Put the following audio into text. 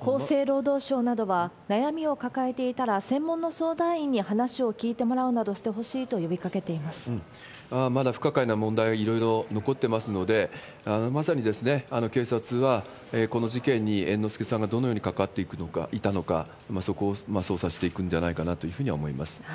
厚生労働省などは、悩みを抱えていたら、専門の相談員に話を聞いてもらうなどしてほしいと呼びかけていままだ不可解な問題がいろいろ残ってますので、まさに、警察はこの事件に猿之助さんがどのように関わっていたのか、そこを捜査していくんじゃないかなというふうには思います。